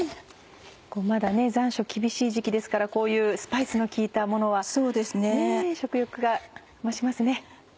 まだ残暑厳しい時期ですからこういうスパイスの効いたものは食欲が増しますね。